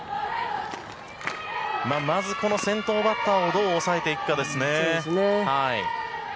まず、先頭バッターをどう抑えていくかです。